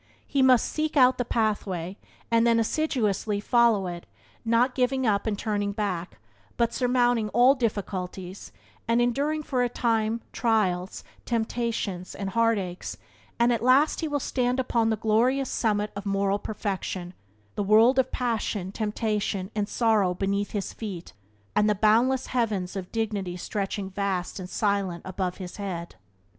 He must seek out the pathway and then assiduously follow it, not giving up and turning back, but surmounting all difficulties, and enduring for a time trials, temptations, and heartaches, and at last he will stand upon the glorious summit of moral perfection, the world of passion, temptation, and sorrow beneath his feet, and the boundless heavens of dignity stretching vast and silent above his head.